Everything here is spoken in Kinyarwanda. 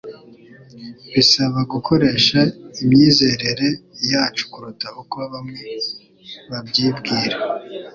bisaba gukoresha imyizerere yacu kuruta uko bamwe babyibwira.